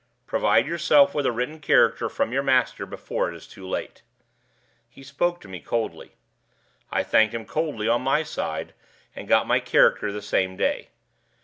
Provide yourself with a written character from your master before it is too late.' He spoke to me coldly. I thanked him coldly on my side, and got my character the same day.